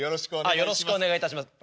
よろしくお願いします。